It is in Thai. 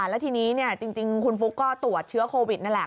แล้วทีนี้จริงคุณฟุ๊กก็ตรวจเชื้อโควิดนั่นแหละ